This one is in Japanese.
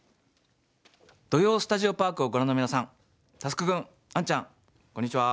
「土曜スタジオパーク」をご覧の皆さん佑君、杏ちゃん、こんにちは。